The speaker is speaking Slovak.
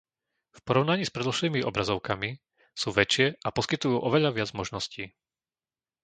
V porovnaní s predošlými obrazovkami sú väčšie a poskytujú oveľa viac možností.